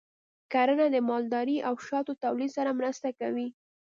کرنه د مالدارۍ او شاتو تولید سره مرسته کوي.